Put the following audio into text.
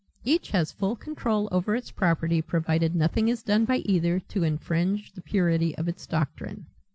Each has full control over its property provided nothing is done by either to infringe the purity of its doctrine."